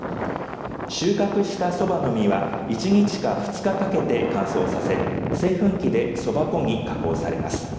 収穫したそばの実は１日か２日かけて乾燥させ製粉機でそば粉に加工されます。